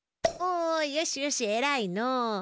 およしよしえらいの。